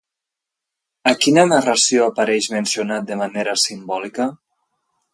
A quina narració apareix mencionat de manera simbòlica?